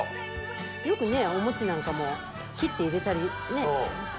よくねお餅なんかも切って入れたりされるけど。